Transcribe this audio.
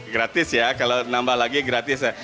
gratis ya kalau nambah lagi gratis ya